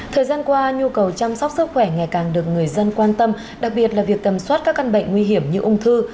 thời gian qua nhu cầu chăm sóc sức khỏe ngày càng được người dân quan tâm đặc biệt là việc tầm soát các căn bệnh nguy hiểm như ung thư